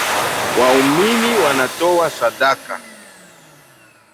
Waumini wanatoa sadaka